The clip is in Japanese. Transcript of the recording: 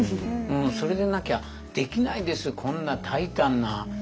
それでなきゃできないですこんな大胆な。